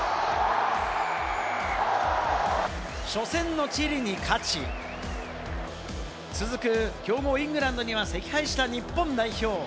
初戦のチリに勝ち、続く強豪・イングランドには惜敗した日本代表。